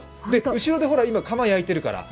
後ろで今カマ焼いてるから。